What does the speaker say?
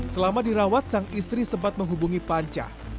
selama dirawat sang istri sempat menghubungi panca